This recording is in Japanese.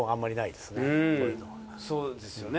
そうですよね。